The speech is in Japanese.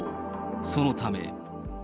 そのため。